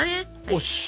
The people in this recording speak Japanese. よし！